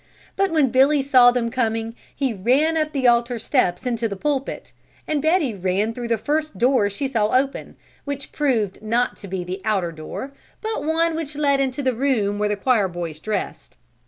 But when Billy saw them coming he ran up the altar steps into the pulpit, and Betty ran through the first door she saw open, which proved not to be the outer door but one which led into the room where the choir boys dressed.